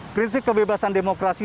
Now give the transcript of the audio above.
prinsip kebebasan demokrasi